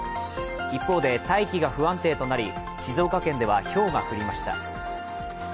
一方で大気が不安定となり静岡県ではひょうが降りました。